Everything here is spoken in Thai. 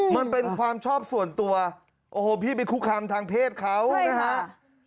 มันเป็นความชอบส่วนตัวโอ้โหพี่ไปคุกคำทางเพศเขานะครับ